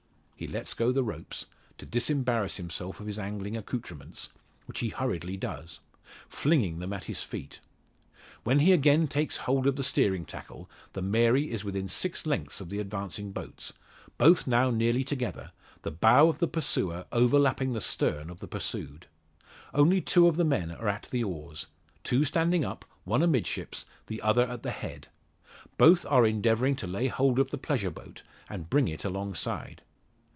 He lets go the ropes, to disembarrass himself of his angling accoutrements; which he hurriedly does, flinging them at his feet. When he again takes hold of the steering tackle the Mary is within six lengths of the advancing boats, both now nearly together, the bow of the pursuer overlapping the stern of the pursued. Only two of the men are at the oars; two standing up, one amidships, the other at the head. Both are endeavouring to lay hold of the pleasure boat, and bring it alongside.